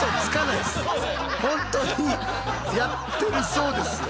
本当にやってるそうですよ。